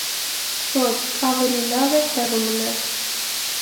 Ոչ, ավելի լավ էր հեոու մնալ.